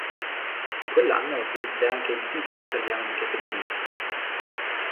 In quell'anno vinse anche il titolo italiano di categoria.